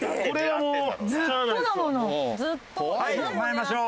はい参りましょう。